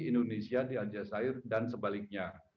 indonesia di aljazeera dan sebaliknya